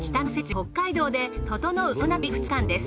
北海道でととのうサウナ旅２日間です。